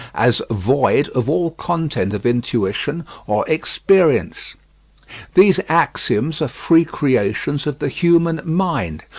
as void of all content of intuition or experience. These axioms are free creations of the human mind.